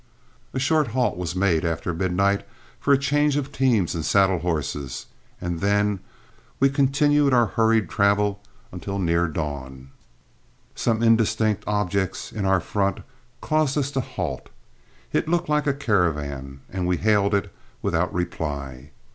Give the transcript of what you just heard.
A short halt was made after midnight, for a change of teams and saddle horses, and then we continued our hurried travel until near dawn. Some indistinct objects in our front caused us to halt. It looked like a caravan, and we hailed it without reply.